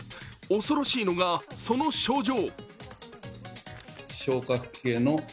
恐ろしいのがその症状。